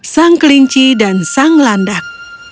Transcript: sang kelinci dan sang landak